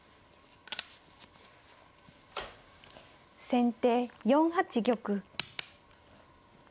先手４八玉。